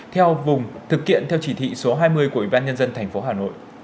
theo vùng thực hiện theo chỉ thị số hai mươi của ủy ban nhân dân thành phố hà nội